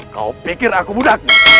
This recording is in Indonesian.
kau pikir aku muda